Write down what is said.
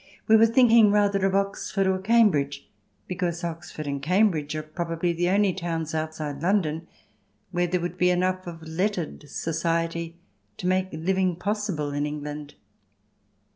We were thinking rather of Oxford or Cambridge, because Oxford and Cambridge are probably the only towns outside London where there would be enough of lettered society to make living possible in England.